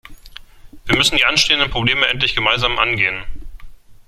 Wir müssen die anstehenden Probleme endlich gemeinsam angehen.